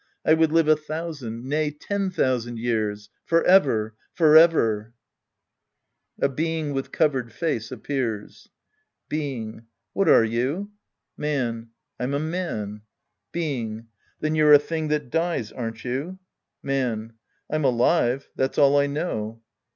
I would live a thousand, nay, ten thousand years. Forever ! Forever ! {A Being with coveredface appears^ Being. What are you ? Man. I'm a man. Being. Then you're a thing that dies, aren't you ? Man. I'm alive. That's all I know.